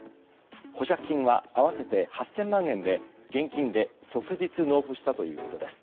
保釈金は合わせて８０００万円で現金で即日納付したということです。